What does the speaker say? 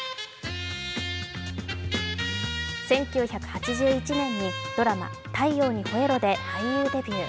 １９８１年にドラマ「太陽にほえろ！」で俳優デビュー。